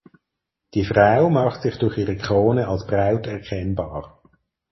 Die Frau macht sich durch ihre Krone als Braut erkennbar.